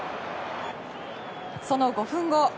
その５分後。